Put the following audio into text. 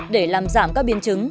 để làm giảm các biến chứng